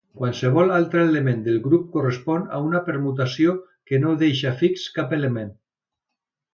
Qualsevol altre element del grup correspon a una permutació que no deixa fix cap element.